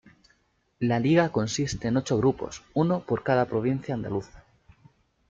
La liga consiste en ocho grupos, uno por cada provincia andaluza.